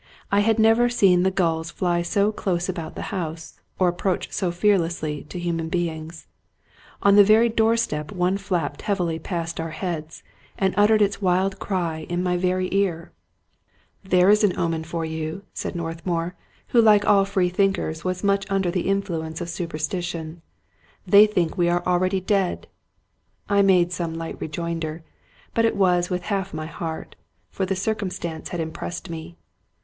I had never seen the gulls fly so close about the house or ap proach so fearlessly to human beings. On the very door step one flapped heavily past our heads, and uttered its wild cry in my very ear. 195 Scotch Mystery Stories " There is an omen for you," said Northmour, who like all freethinkers was much under the influence of supersti tion. " They think we are already dead." I made some light rejoinder, but it was with half my heart ; for the circumstance had impressed me.